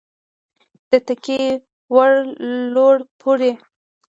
د تکیې وړ لوړ پوړی